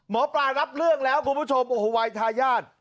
มอปรารับเรื่องแล้วกว้าประโยชน์โอ้โหเยยายาก